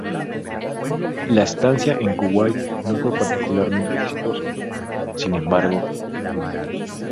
La estancia en Kuwait no fue particularmente exitoso, sin embargo.